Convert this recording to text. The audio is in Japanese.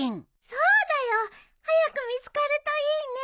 そうだよ。早く見つかるといいね。